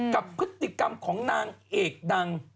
กับพฤติกรรมของนางเอกดัง